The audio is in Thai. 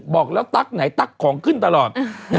บอกแล้วตั๊กไหนตั๊กของขึ้นตลอด